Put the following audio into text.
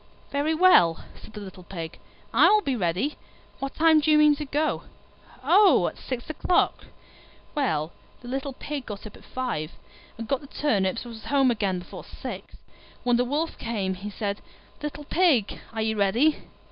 "Very well," said the little Pig, "I will be ready. What time do you mean to go?" "Oh, at six o'clock." Well, the little Pig got up at five, and got the turnips and was home again before six. When the Wolf came he said, "Little Pig, are you ready?"